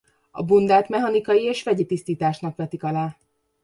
A bundát mechanikai és vegyi tisztításnak vetik alá.